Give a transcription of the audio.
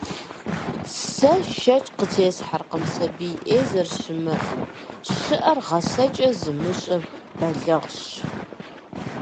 Сэ шэч къытесхьэркъым сабий Ӏей зэрыщымыӀэм, щыӀэр гъэсэкӀэ зымыщӀэ балигъщ.